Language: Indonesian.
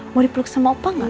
mau dipeluk sama opa gak